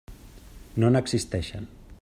No n'existeixen.